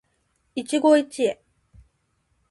一期一会